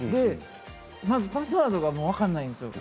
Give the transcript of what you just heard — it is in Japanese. まず、パスワードが分からないんですよ。